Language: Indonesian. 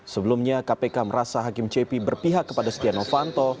sebelumnya kpk merasa hakim cepi berpihak kepada setia novanto